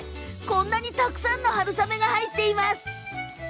こんなに、たくさん春雨が入っています。